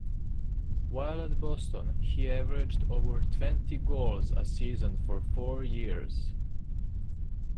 While at Boston, he averaged over twenty goals a season for four years.